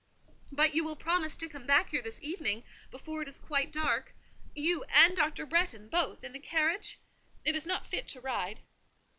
"But you will promise to come back here this evening, before it is quite dark;—you and Dr. Bretton, both, in the carriage? It is not fit to ride."